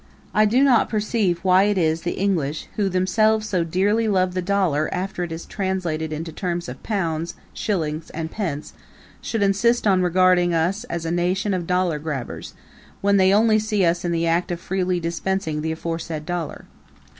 I do not perceive why it is the English, who themselves so dearly love the dollar after it is translated into terms of pounds, shillings and pence, should insist on regarding us as a nation of dollar grabbers, when they only see us in the act of freely dispensing the aforesaid dollar.